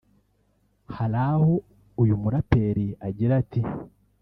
Hari aho uyu muraperi agira ati